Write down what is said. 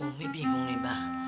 umi bingung nih bah